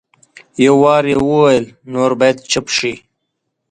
یو وار یې وویل نور باید چپ شئ.